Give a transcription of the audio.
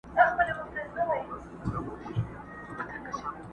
پر ورکه لار ملګري سول روان څه به کوو؟٫